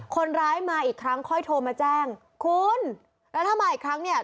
คนร้ายมาอีกครั้งค่อยโทรมาแจ้งคุณแล้วถ้ามาอีกครั้งเนี่ย